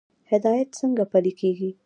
هدایت څنګه پلی کیږي؟